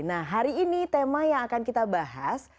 nah hari ini tema yang akan kita bahas